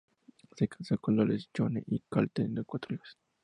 Se casó con Dolores Goñi y Coll, teniendo cuatro hijos.